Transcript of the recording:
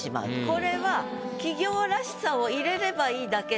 これは起業らしさを入れればいいだけ。